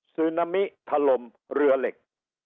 ซึนามิถล่มเรือเหล็ก